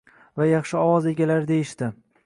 va yaxshi ovoz egalari deyishdi.